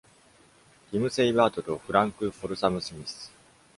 「ティム」・セイバートとフランク・フォルサム・スミス。